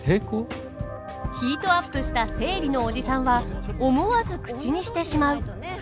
ヒートアップした生理のおじさんは思わず口にしてしまう！